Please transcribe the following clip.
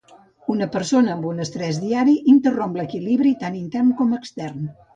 Una persona amb un estrès diari interromp l'equilibri tant intern com extern